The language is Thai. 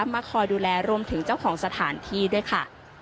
มาคอยดูแลรวมถึงเจ้าของสถานที่ด้วยค่ะ